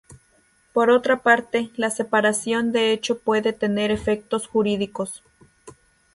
Por otra parte, la separación de hecho puede tener efectos jurídicos.